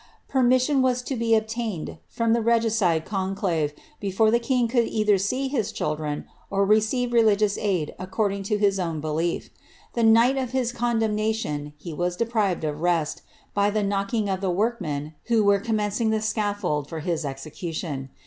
Permission was to be obtained from the regicide conclave, before the king could either see his children, or receive religious aid according Ic his own belief. The night of his condemnation he was deprived d rest, by the knocking of the workmen who were commencing the sof fold for his execution.'